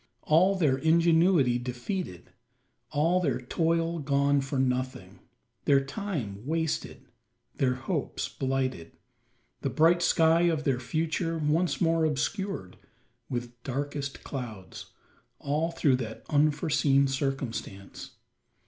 All their ingenuity defeated all their toil gone for nothing their time wasted their hopes blighted the bright sky of their future once more obscured with darkest clouds all through that unforeseen circumstance.